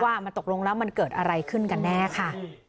ว่ามันตกลงแล้วมันเกิดอะไรขึ้นกันแน่ค่ะ